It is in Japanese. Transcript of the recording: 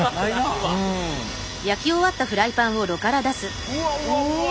うわうわうわうわ。